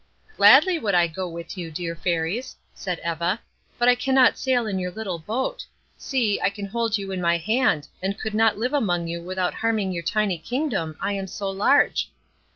"Gladly would I go with you, dear Fairies," said Eva, "but I cannot sail in your little boat. See! I can hold you in my hand, and could not live among you without harming your tiny kingdom, I am so large."